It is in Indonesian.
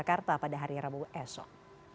jakarta pada hari rabu esok